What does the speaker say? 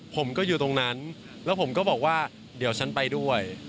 ผมก็อยู่ตรงนั้นแล้วผมก็บอกว่าเดี๋ยวฉันไปด้วย